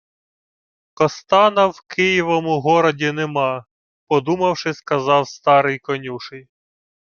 — Костана в Києвому городі нема, — подумавши, сказав старий конюший.